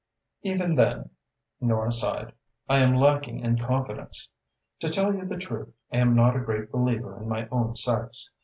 "Even then," Norah sighed, "I am lacking in confidence. To tell you the truth, I am not a great believer in my own sex.